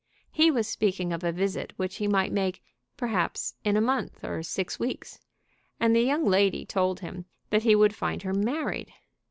He was speaking of a visit which he might make, perhaps, in a month or six weeks, and the young lady told him that he would find her married!